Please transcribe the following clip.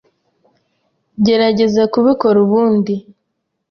Gerageza kubikora ubundi.